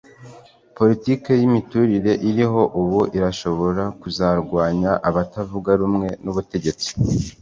Politiki yimiturire iriho ubu irashobora kuza kurwanya abatavuga rumwe nubutegetsi